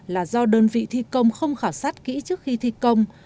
là do đơn vị thi công không khảo sát kỹ trước khi thi công